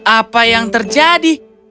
apa yang terjadi